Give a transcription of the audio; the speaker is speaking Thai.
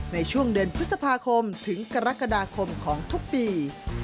ในช่วงเดือนพฤษภาคมถึงกรกฎาคมของทุกปี